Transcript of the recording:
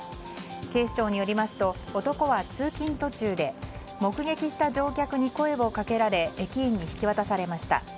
警視庁によりますと男は通勤途中で目撃した乗客に声をかけられ駅員に引き渡されました。